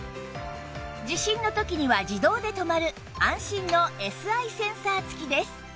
地震の時には自動で止まる安心の Ｓｉ センサー付きです